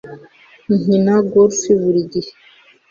nkina golf buri gihe